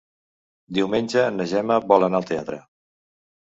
Diumenge na Gemma vol anar al teatre.